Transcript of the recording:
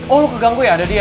oh lu keganggu ya ada dia